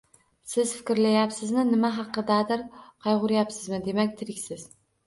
Siz fikrlayapsizmi, nima haqidadir qayg‘uryapsizmi, demak, tiriksiz.